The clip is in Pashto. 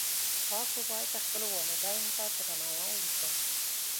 تاسو باید خپلو والدینو ته درناوی وکړئ